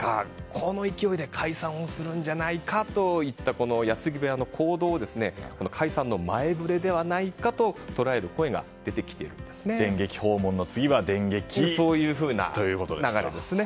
この勢いで解散をするんじゃないかといった矢継ぎ早の行動を解散の前触れではないかと捉える声が電撃訪問の次は電撃ということですか。